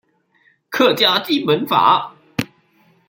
客家基本法